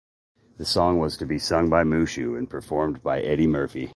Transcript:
The song was to be sung by Mushu and performed by Eddie Murphy.